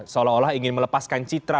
seolah olah ingin melepaskan citra